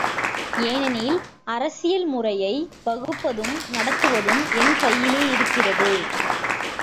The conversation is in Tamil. ஏனெனில், அரசியல் முறையை வகுப்பதும் நடத்துவதும் என் கையிலேயிருக்கிறது.